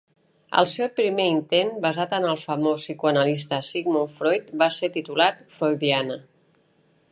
El seu primer intent, basat en el famós psicoanalista Sigmund Freud, va ser titulat Freudiana.